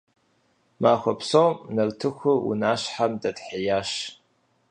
Махуэ псом нартыхур унащхьэм дэтхьеящ.